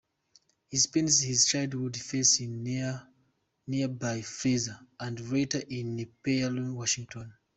He spent his childhood first in nearby Frazee, and later in Puyallup, Washington.